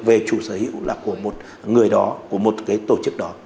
sở hữu là của một người đó của một cái tổ chức đó